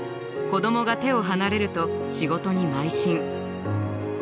子どもが手を離れると仕事にまい進。